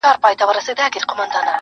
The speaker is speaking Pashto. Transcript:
دا مرغلري خریدار نه لري!.